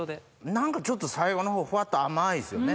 何かちょっと最後のほうフワっと甘いですよね。